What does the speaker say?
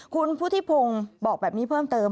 คุณพุทธิพงศ์บอกแบบนี้เพิ่มเติม